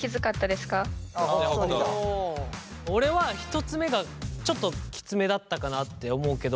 俺は１つ目がちょっとキツめだったかなって思うけど。